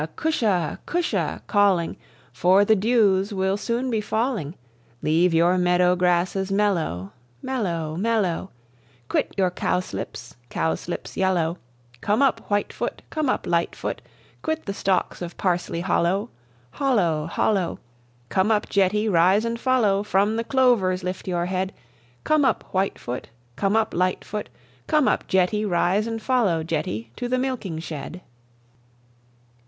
Cusha! Cusha!" calling, "For the dews will soone be falling; Leave your meadow grasses mellow, Mellow, mellow; Quit your cowslips, cowslips yellow; Come uppe, Whitefoot, come uppe, Lightfoot; Quit the stalks of parsley hollow, Hollow, hollow; Come uppe, Jetty, rise and follow, From the clovers lift your head; Come uppe, Whitefoot, come uppe, Lightfoot, Come uppe, Jetty, rise and follow, Jetty, to the milking shed."